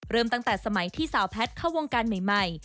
ตั้งแต่สมัยที่สาวแพทย์เข้าวงการใหม่